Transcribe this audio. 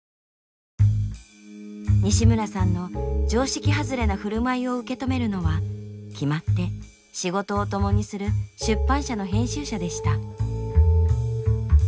西村さんの常識外れな振る舞いを受け止めるのは決まって仕事を共にする出版社の編集者でした。